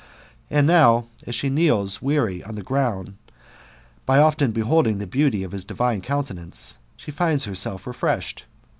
And niow, as 83 THE METAMORPHOSIS, OR she kneels weary on the ground, by often beholding the beauty of his diviae countenance, she finds herself refreshed.